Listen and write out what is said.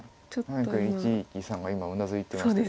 何か一力さんが今うなずいてました。